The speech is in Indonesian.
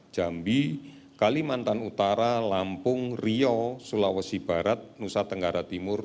jambi kalimantan utara lampung riau sulawesi barat nusa tenggara timur